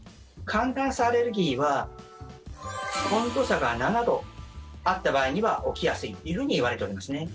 寒暖差アレルギーは温度差が７度あった場合には起きやすいというふうにいわれておりますね。